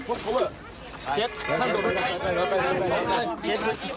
สวยสวยสวยสวยสวยสวยสวย